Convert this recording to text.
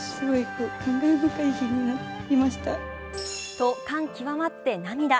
と、感極まって涙。